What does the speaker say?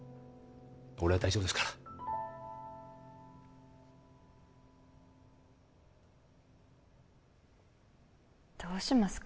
俺は大丈夫ですからどうしますか？